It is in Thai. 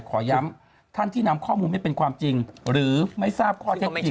ขอย้ำท่านที่นำข้อมูลไม่เป็นความจริงหรือไม่ทราบข้อเท็จจริง